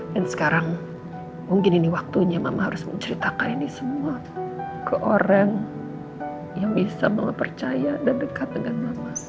dan sekarang mungkin ini waktunya mama harus menceritakan ini semua ke orang yang bisa mama percaya dan dekat dengan mama